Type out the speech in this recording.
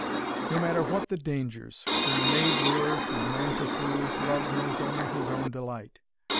No matter what the dangers, when the maid lures and the man pursues, Love knows only his own delight.